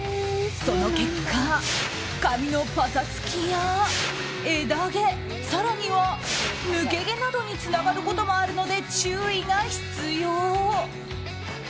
その結果、髪のパサつきや枝毛更には抜け毛などにつながることもあるので注意が必要。